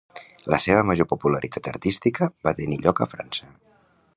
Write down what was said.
La seva major popularitat artística va tenir lloc a França.